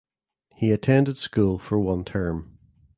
He attended school for one term.